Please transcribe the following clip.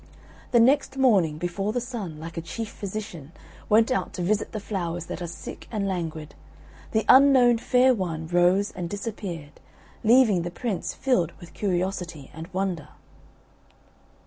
The next morning, before the Sun, like a chief physician, went out to visit the flowers that are sick and languid, the unknown fair one rose and disappeared, leaving the Prince filled with curiosity and wonder.